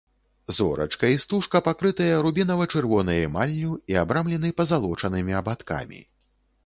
Зорачка і стужка пакрытыя рубінава-чырвонай эмаллю і абрамлены пазалочанымі абадкамі.